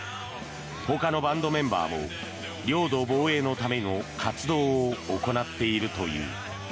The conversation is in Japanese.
ほかのバンドメンバーも領土防衛のための活動を行っているという。